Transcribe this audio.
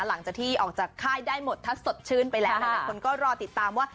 หลังจากที่ออกจากค่ายได้หมดถ้าสดชื่นไปแล้วหลายคนก็รอติดตามว่า